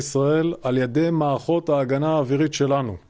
beberapa pesawat terang di jalan kita di saat ini